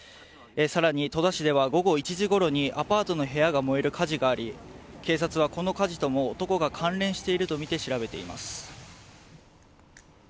さらに戸田市では午後１時ごろにアパートの部屋が燃える火事があり警察はこの火事とも男が関連しているとみて調べています。